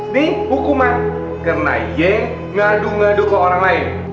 nih hukuman karena ye ngadu ngadu ke orang lain